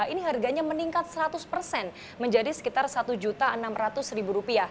ini harganya meningkat seratus persen menjadi sekitar rp satu enam ratus